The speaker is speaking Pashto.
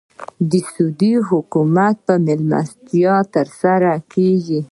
د سعودي حکومت په مېلمستیا تر سره کېږي.